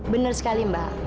benar sekali mbak